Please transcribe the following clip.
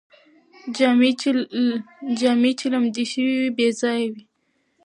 جامې چې لمدې شوې وې، بې ځایه وې